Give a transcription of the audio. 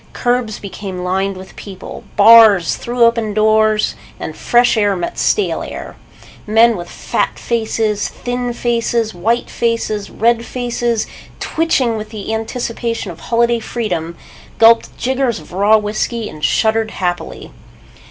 Curbs became lined with people. Bars threw open doors and fresh air met stale air. Men with fat faces, thin faces, white faces, red faces, twitching with the anticipation of holiday freedom, gulped jiggers of raw whiskey and shuddered happily.